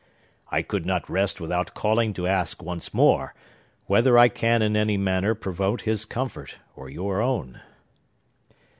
"I could not rest without calling to ask, once more, whether I can in any manner promote his comfort, or your own."